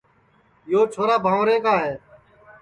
یو چھورا بھنٚورے کا ہے